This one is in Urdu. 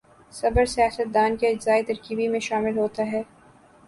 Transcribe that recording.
صبر سیاست دان کے اجزائے ترکیبی میں شامل ہوتا ہے۔